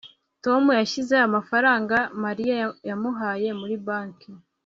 tom yashyize amafaranga mariya yamuhaye muri banki